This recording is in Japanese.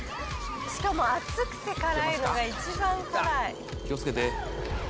「しかも熱くて辛いのが一番辛い」「気をつけて」